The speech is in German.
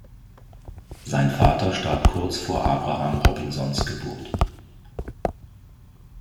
Sein Vater starb kurz vor Abraham Robinsons Geburt.